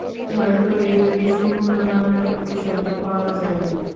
হয়তো এগুলির সুন্দর বাংলা প্রতিশব্দ পাওয়া যায়নি।